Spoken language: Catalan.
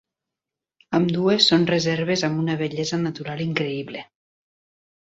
Ambdues són reserves amb una bellesa natural increïble.